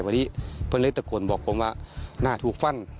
พอดีพนิตะกวนบอกผมว่างามันถูกฟั่น